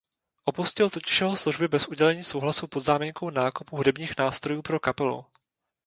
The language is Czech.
Opustil totiž jeho služby bez udělení souhlasu pod záminkou nákupu hudebních nástrojů pro kapelu.